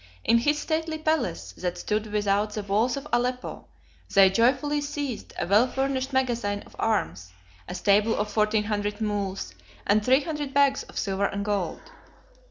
In his stately palace, that stood without the walls of Aleppo, they joyfully seized a well furnished magazine of arms, a stable of fourteen hundred mules, and three hundred bags of silver and gold.